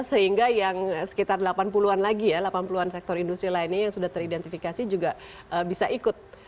sehingga yang sekitar delapan puluh an lagi ya delapan puluh an sektor industri lainnya yang sudah teridentifikasi juga bisa ikut